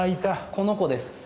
この子です。